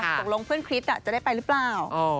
ตกลงเพื่อนคริสต์จะได้ไปหรือเปล่า